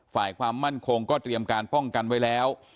ฝ่ายความมั่นคงก็เตรียมการป้องกันไว้แล้ว